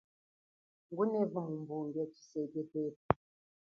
Ngunevu mumbunge chiseke tepu.